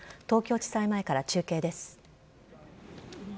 東京地裁前から中継です。